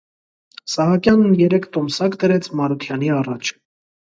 Սահակյանն երեք տոմսակ դրեց Մարությանի առաջ: